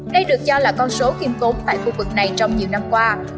đây được cho là con số khiêm tốn tại khu vực này trong nhiều năm qua